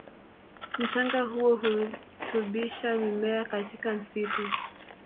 Mchanga huo hurutubisha mimea katika msitu